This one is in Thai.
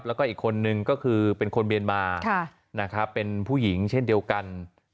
แล้วก็อีกคนนึงก็คือเป็นคนเมียนมานะครับเป็นผู้หญิงเช่นเดียวกัน